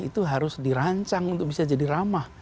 itu harus dirancang untuk bisa jadi ramah